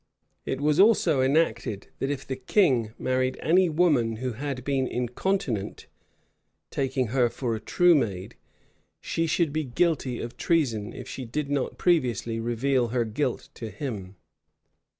It was also enacted, that if the king married any woman who had been incontinent, taking her for a true maid, she should be guilty of treason, if she did not previously reveal her guilt to him.